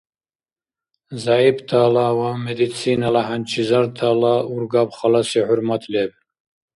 ЗягӀиптала ва медицинала хӀянчизартала ургаб халаси хӀурмат леб.